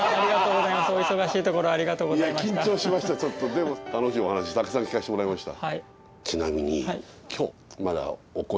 でも楽しいお話たくさん聞かしてもらいました。